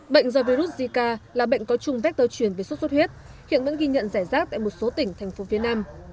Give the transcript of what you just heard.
bệnh do virus zika là bệnh có chung vector truyền về sốt xuất huyết hiện vẫn ghi nhận giải rác tại một số tỉnh thành phố phía nam